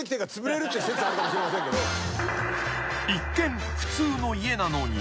［一見普通の家なのに］